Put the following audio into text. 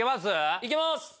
いけます？